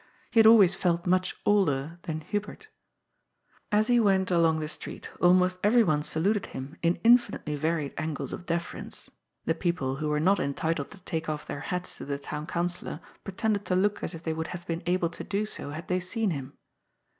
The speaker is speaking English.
He had always felt much older than Hubert. As he went along the street, almost everyone saluted him in infinitely varied angles of deference. The people who were not entitled to take off their hats to the Town Councillor, pretended to look as if they would have been able to do so, had they seen him.